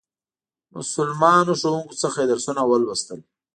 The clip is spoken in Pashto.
مسلمانو ښوونکو څخه یې درسونه ولوستل.